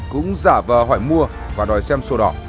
cũng giả vờ hỏi mua và đòi xem sổ đỏ